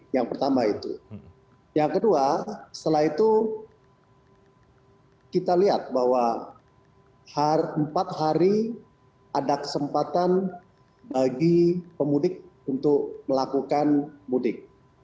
yang pertama itu yang kedua setelah itu kita lihat bahwa empat hari ada kesempatan bagi pemudik untuk melakukan mudik